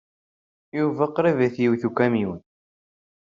Yuba qrib ay t-iwit ukamyun.